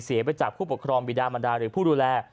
ไปจากผู้ปกครองบิดามันดาหรือผู้ดูแล